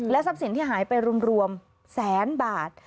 ทรัพย์สินที่หายไปรวมแสนบาท